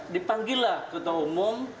dipanggil lah ketua umum